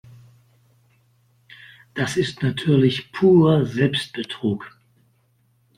Das ist natürlich purer Selbstbetrug.